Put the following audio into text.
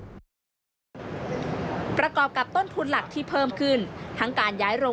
อันนี้ก็จะเป็นเรื่องที่ทำให้ประเทศชาติเสียประโยชน์